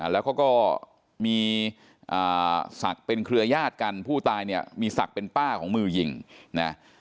แล้วเขาก็มีศักดิ์เป็นเครือยาศกันผู้ตายเนี่ยมีศักดิ์เป็นป้าของมือยิงนะ